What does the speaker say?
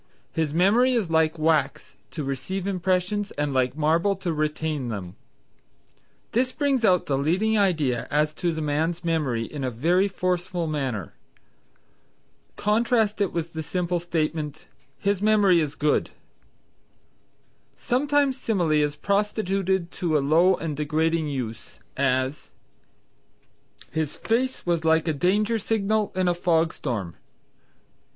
"His memory is like wax to receive impressions and like marble to retain them." This brings out the leading idea as to the man's memory in a very forceful manner. Contrast it with the simple statement "His memory is good." Sometimes Simile is prostituted to a low and degrading use; as "His face was like a danger signal in a fog storm."